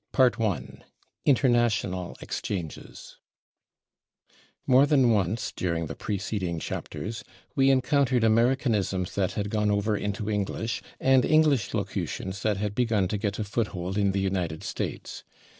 [Pg131] V Tendencies in American § 1 /International Exchanges/ More than once, during the preceding chapters, we encountered Americanisms that had gone over into English, and English locutions that had begun to get a foothold in the United States.